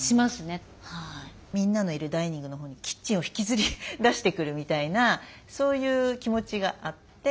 みんなのいるダイニングのほうにキッチンを引きずり出してくるみたいなそういう気持ちがあって。